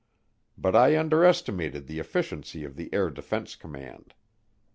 But I underestimated the efficiency of the Air Defense Command.